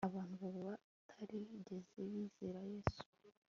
abantu baba batarigeze bizera yesu